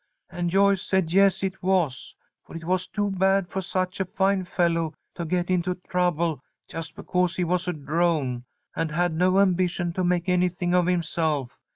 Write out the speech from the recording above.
"And Joyce said yes, it was, for it was too bad for such a fine fellow to get into trouble just because he was a drone, and had no ambition to make anything of himself.